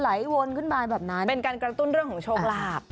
วนขึ้นมาแบบนั้นเป็นการกระตุ้นเรื่องของโชคลาภ